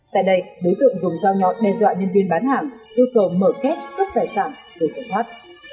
tại đây đối tượng dùng dao nhọn đe dọa nhân viên bán hàng yêu cầu mở két cướp tài sản rồi tẩu thoát